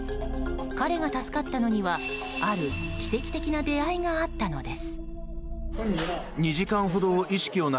彼が助かったのにはある奇跡的な出会いがあったのです。